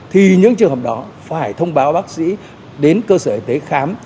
thì những trường hợp đó phải thông báo bác sĩ đến cơ sở y tế khám